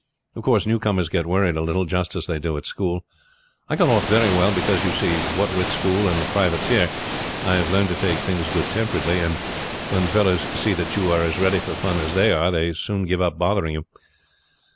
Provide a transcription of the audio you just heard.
Of course newcomers get worried a little just as they do at school. I got off very well; because, you see, what with school and the privateer I have learned to take things good temperedly, and when fellows see that you are as ready for fun as they are they soon give up bothering you.